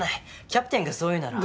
キャプテンがそう言うなら。